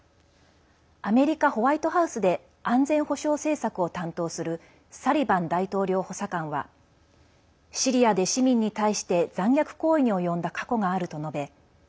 アメリカ・ホワイトハウスで安全保障政策を担当するサリバン大統領補佐官はシリアで市民に対して残虐行為に及んだ過去があると述べ